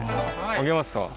揚げますか。